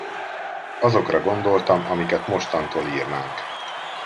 Azokra gondoltam, amiket mostantól írnánk.